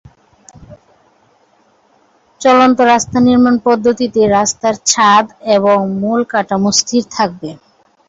চলন্ত রাস্তা নির্মাণ পদ্ধতিতে রাস্তার ছাদ এবং মূল কাঠামো স্থির থাকবে।